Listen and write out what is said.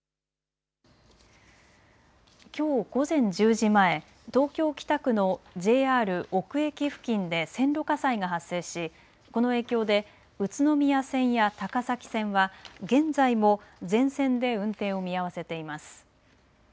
きょう午前１０時前、東京北区のＪＲ尾久駅付近で線路火災が発生し、この影響で宇都宮線や高崎線は現在も全線で運転を見合わせています。